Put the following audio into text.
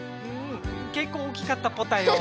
けっこう大きかったポタよ。